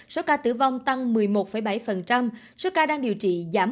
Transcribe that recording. số ca tử vong tăng một mươi một bảy số ca đang điều trị giảm một trăm hai mươi năm